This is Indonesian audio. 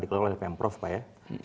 dikeluarkan oleh pm prof pak ya